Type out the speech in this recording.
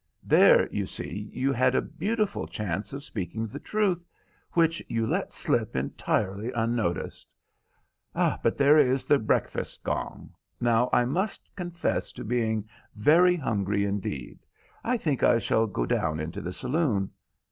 There, you see, you had a beautiful chance of speaking the truth which you let slip entirely unnoticed. But there is the breakfast gong. Now, I must confess to being very hungry indeed. I think I shall go down into the saloon."